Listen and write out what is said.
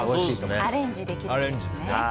アレンジできるんですね。